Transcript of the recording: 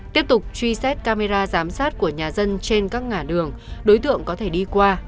tiếp tục truy xét camera giám sát của nhà dân trên các ngã đường đối tượng có thể đi qua